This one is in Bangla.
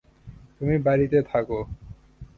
তুমি বাড়িতে থাকো।